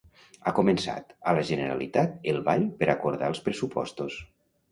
Ha començat, a la Generalitat, el ball per acordar els pressupostos.